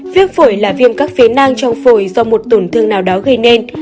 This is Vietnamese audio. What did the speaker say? viêm phổi là viêm các phía nang trong phổi do một tổn thương nào đó gây nên